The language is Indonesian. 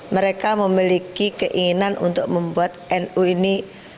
mereka memiliki keinginan untuk membuat nu ini